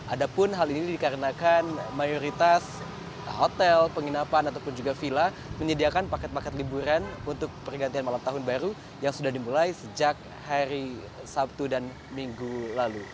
ada pun hal ini dikarenakan mayoritas hotel penginapan ataupun juga villa menyediakan paket paket liburan untuk pergantian malam tahun baru yang sudah dimulai sejak hari sabtu dan minggu lalu